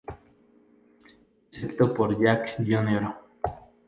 Excepto por Jack Jr.